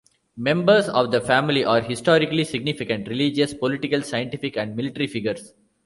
Members of the family are historically significant religious, political, scientific, and military figures.